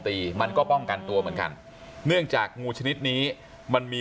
มันก็ป้องกันตัวเหมือนกันเนื่องจากงูชนิดนี้มันมี